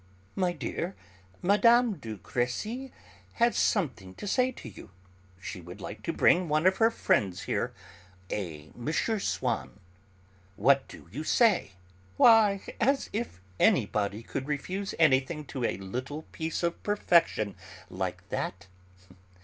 "My dear, Mme. de Crécy has something to say to you. She would like to bring one of her friends here, a M. Swann. What do you say?" "Why, as if anybody could refuse anything to a little piece of perfection like that.